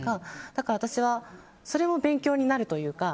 だから私はそれも勉強になるというか。